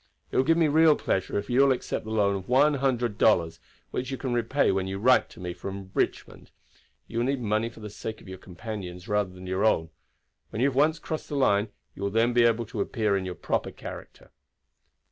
It will give me real pleasure if you will accept the loan of one hundred dollars, which you can repay when you write to me from Richmond. You will need money for the sake of your companions rather than your own. When you have once crossed the line you will then be able to appear in your proper character."